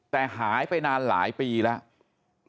แต่หายไปนานหลายปีแล้ว